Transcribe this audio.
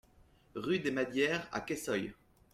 Rue des Madières à Quessoy